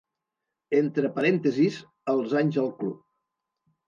Entre parèntesis els anys al club.